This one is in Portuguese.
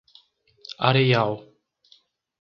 Areial